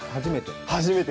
初めて？